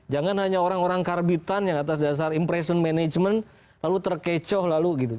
jangan hanya orang orang karbitan yang atas dasar impression management lalu terkecoh lalu gitu